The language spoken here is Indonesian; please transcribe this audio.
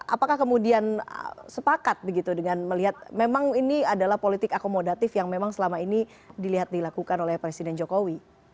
apakah kemudian sepakat begitu dengan melihat memang ini adalah politik akomodatif yang memang selama ini dilihat dilakukan oleh presiden jokowi